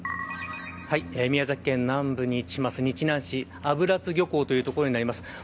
宮崎県南部に位置する日南市油津漁港という所になります。